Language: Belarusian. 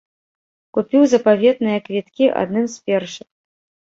Купіў запаветныя квіткі адным з першых!